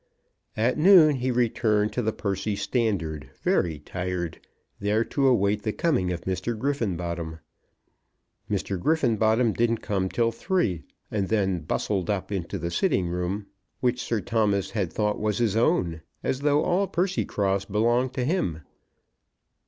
At noon he returned to the Percy Standard, very tired, there to await the coming of Mr. Griffenbottom. Mr. Griffenbottom didn't come till three, and then bustled up into the sitting room, which Sir Thomas had thought was his own, as though all Percycross belonged to him.